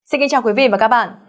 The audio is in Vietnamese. xin kính chào quý vị và các bạn